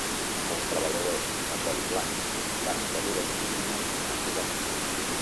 Els treballadors de coll blanc van invadir les oficines massivament.